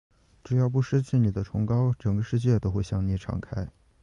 只要不失去你的崇高，整个世界都会向你敞开。